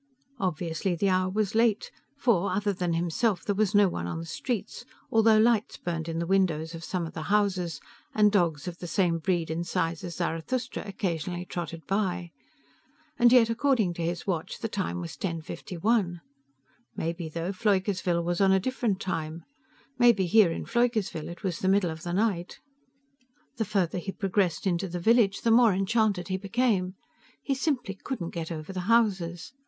Obviously the hour was late, for, other than himself, there was no one on the streets, although lights burned in the windows of some of the houses, and dogs of the same breed and size as Zarathustra occasionally trotted by. And yet according to his watch the time was 10:51. Maybe, though, Pfleugersville was on different time. Maybe, here in Pfleugersville, it was the middle of the night. The farther he progressed into the village, the more enchanted he became. He simply couldn't get over the houses.